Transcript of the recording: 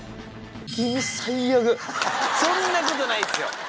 そんなことないっすよ！